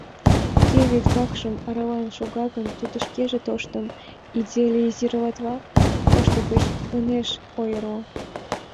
Кӧ вӱд вакшым арален шога гын, тудо шкеже тоштым идеализироватла, тошто гыч ынеж ойырло.